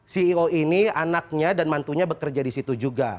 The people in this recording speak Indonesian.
ceo ini anaknya dan mantunya bekerja di situ juga